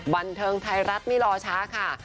บันเทิงไทยรัฐไม่รอช้าค่ะ